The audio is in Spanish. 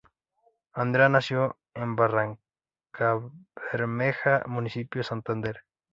Andrea nació en Barrancabermeja, municipio de Santander.